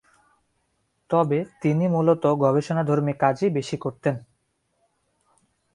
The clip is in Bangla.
তবে তিনি মূলত গবেষণাধর্মী কাজই বেশি করতেন।